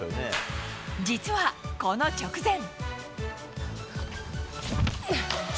実はこの直前。